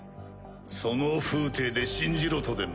その風体で信じろとでも？